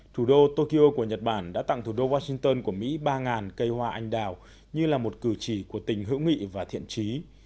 thủ đô tokyo của nhật bản đã tặng thủ đô washington của mỹ ba cây hoa anh đào như là một cử chỉ của tình hữu nghị và thiện trí